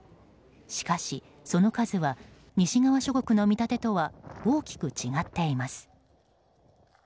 しかし、その数は西側諸国の見立てとは大きく違っています。